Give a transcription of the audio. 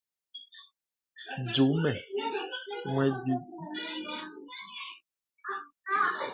Ite nə̀ ite zakari dumə.